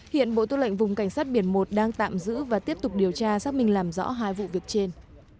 hiện bộ tư lệnh vùng cảnh sát biển một đang tạm giữ và tiếp tục điều tra xác minh làm rõ hai vụ việc trên